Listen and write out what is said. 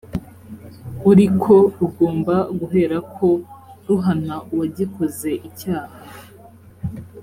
uriko rugomba guhera ko ruhana uwagikoze icyaha